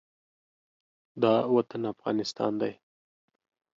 دا وطن افغانستان دی.